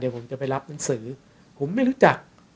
ผมจะไปรับหนังสือผมไม่รู้จัก